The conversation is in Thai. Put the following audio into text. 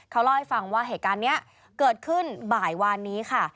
เขาเล่าให้ฟังว่าเหตุการณ์นี้เกิดขึ้นบ่ายวานนี้ค่ะ